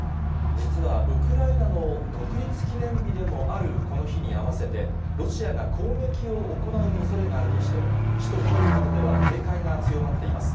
実はウクライナの独立記念日でもあるこの日に合わせて、ロシアが攻撃を行うおそれがあるとして、首都キーウなどでは警戒が強まっています。